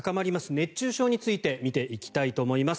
熱中症について見ていきたいと思います。